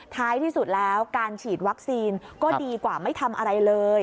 ท้ายที่สุดแล้วการฉีดวัคซีนก็ดีกว่าไม่ทำอะไรเลย